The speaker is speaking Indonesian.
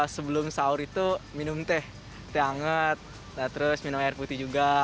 sebelum sahur itu minum teh anget terus minum air putih juga